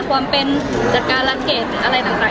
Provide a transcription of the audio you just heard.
ความเป็นจัดการลักษณ์อะไรหนังอะค่ะ